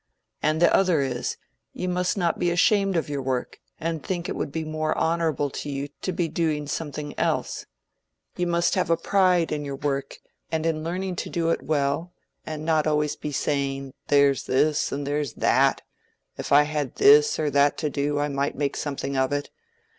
And the other is, you must not be ashamed of your work, and think it would be more honorable to you to be doing something else. You must have a pride in your own work and in learning to do it well, and not be always saying, There's this and there's that—if I had this or that to do, I might make something of it.